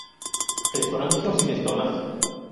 Esporangio sin estomas.